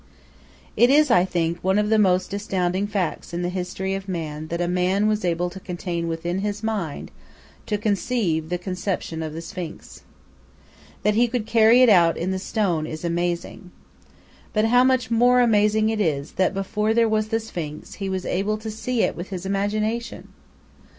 It is, I think, one of the most astounding facts in the history of man that a man was able to contain within his mind, to conceive, the conception of the Sphinx. That he could carry it out in the stone is amazing. But how much more amazing it is that before there was the Sphinx he was able to see it with his imagination!